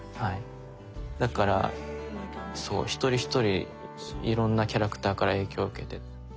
だからそう一人一人いろんなキャラクターから影響受けて。